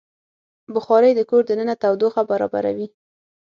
بخاري د کور دننه تودوخه برابروي.